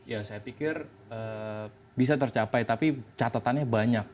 ya saya pikir bisa tercapai tapi catatannya banyak